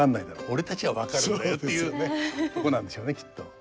俺たちは分かるんだよ」っていうねとこなんでしょうねきっと。